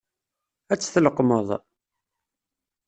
Ad t-tleqqmeḍ?